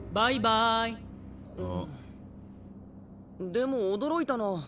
でも驚いたな。